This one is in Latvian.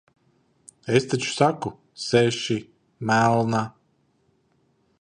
Es taču saku - seši, melna.